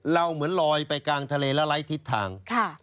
เหมือนลอยไปกลางทะเลแล้วไร้ทิศทาง